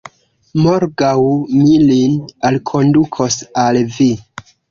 Morgaŭ mi lin alkondukos al vi.